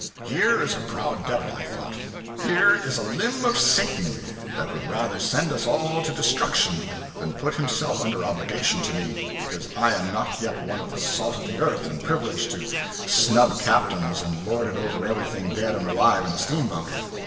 Here is a proud devil, thought I; here is a limb of Satan that would rather send us all to destruction than put himself under obligations to me, because I am not yet one of the salt of the earth and privileged to snub captains and lord it over everything dead and alive in a steamboat.